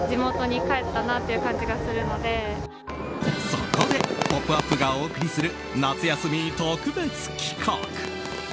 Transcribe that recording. そこで、「ポップＵＰ！」がお送りする夏休み特別企画！